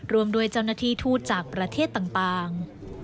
รวมด้วยเจ้าหน้าที่ทูตจากประเทศต่าง